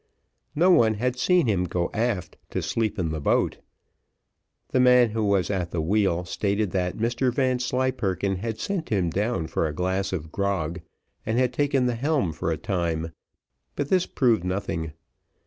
No one had seen him go aft to sleep in the boat. The man who was at the wheel stated that Mr Vanslyperken had sent him down for a glass of grog, and had taken the helm for the time; but this proved nothing.